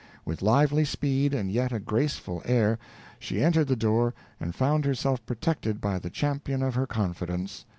With lively speed, and yet a graceful air, she entered the door and found herself protected by the champion of her confidence.